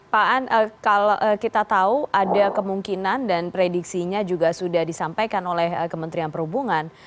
pak an kalau kita tahu ada kemungkinan dan prediksinya juga sudah disampaikan oleh kementerian perhubungan